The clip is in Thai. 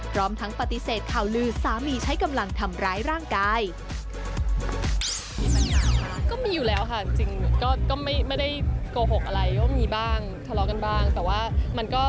พร้อมทั้งปฏิเสธข่าวลือสามีใช้กำลังทำร้ายร่างกาย